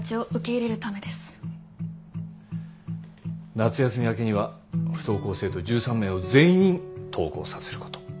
夏休み明けには不登校生徒１３名を全員登校させること。